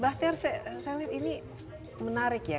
mbak ter saya lihat ini menarik ya